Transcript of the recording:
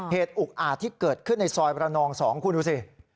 เหตุอุกอาจที่เกิดขึ้นในซอยประนอง๒คุณดูสิ